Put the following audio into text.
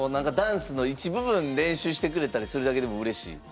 ダンスの一部分練習してくれたりするだけでもうれしい？